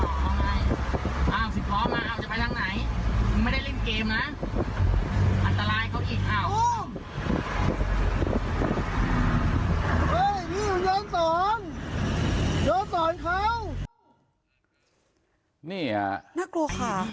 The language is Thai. เว้ยนี่ยงน้อยสนยยนสนเขานี่อ่ะน่ากลัวค่ะ